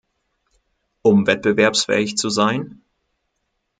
Um wettbewerbsfähig zu sein?